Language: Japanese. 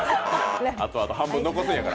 あとあと半分残ってるんやから。